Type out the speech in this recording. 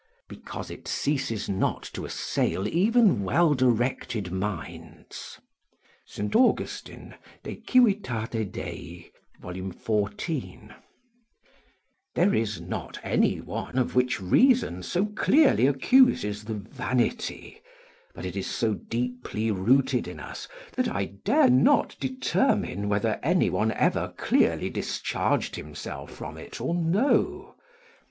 ["Because it ceases not to assail even well directed minds" St. Augustin, De Civit. Dei, v. 14.] There is not any one of which reason so clearly accuses the vanity; but it is so deeply rooted in us that I dare not determine whether any one ever clearly discharged himself from it or no.